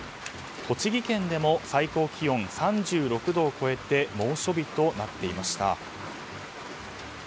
栃木県でも最高気温３６度を超えて猛暑日となっていました。